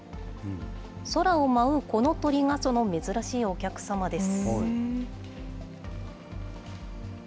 空を舞うこの鳥がその珍しいお客様です。